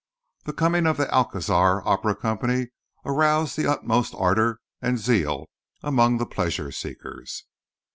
The coming of the Alcazar Opera Company aroused the utmost ardour and zeal among the pleasure seekers.